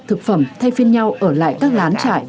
thực phẩm thay phiên nhau ở lại các lán trại